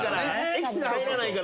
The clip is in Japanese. エキスが入らないから。